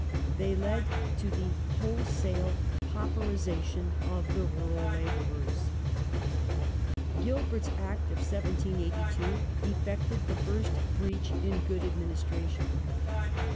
They led to the wholesale pauperization of the rural labourers. Gilbert's Act of 1782 effected the first breach in good administration.